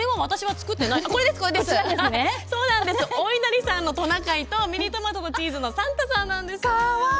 おいなりさんのトナカイとミニトマトとチーズのサンタさんなんです。